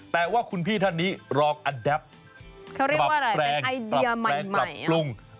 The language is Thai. แต่ว่าคุณพี่ท่านนี้รอบแปรงกับปรุง